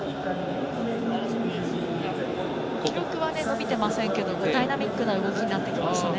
記録は伸びてませんけどダイナミックな動きになってきましたね。